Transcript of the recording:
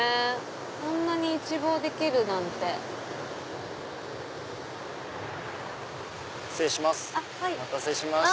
こんなに一望できるなんて。失礼しますお待たせしました。